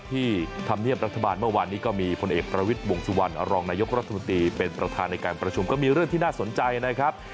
ที่ท่ำเนียมรัฐบาลเมื่อวานนี้ก็มีคนเอกประวิรรดิ์สวงศิลป์ที่มีเรื่องที่น่าสนใจนะครับ